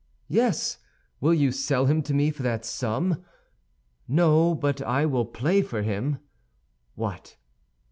'Yes! Will you sell him to me for that sum?' 'No; but I will play for him.' 'What?